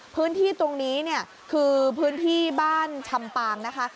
พื้นที่ตรงนี้เนี่ยคือพื้นที่บ้านชำปางนะคะ